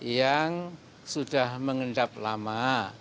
yang sudah mengendap lama